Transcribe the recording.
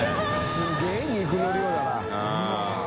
すげぇ肉の量だな。